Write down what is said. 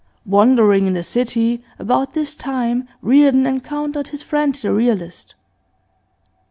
Wandering in the city, about this time, Reardon encountered his friend the realist.